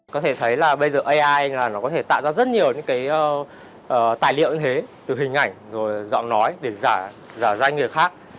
có thể thấy là bây giờ ai là nó có thể tạo ra rất nhiều những cái tài liệu như thế từ hình ảnh rồi giọng nói để giả danh người khác